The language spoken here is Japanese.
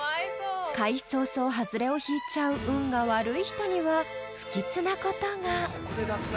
［開始早々ハズレを引いちゃう運が悪い人には不吉なことが］